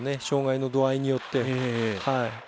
障がいの度合いによって。